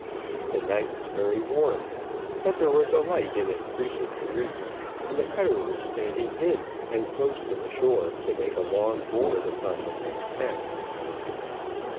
The night was very warm, but there was a light and increasing breeze, and the cutter was standing in and close to the shore to make a long board upon next tack.